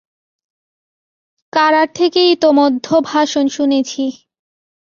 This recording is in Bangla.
কারার থেকে ইতোমধ্যে ভাষণ শুনেছি।